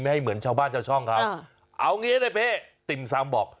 ไม่ให้เหมือนชาวบ้านชาวช่องครับเอางี้นะเพติ่มซ่ำบอก